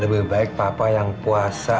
lebih baik papa yang puasa